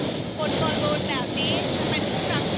คนบอลลูนแบบนี้เป็นทุกทางทุกใจไปติดตามกันค่ะ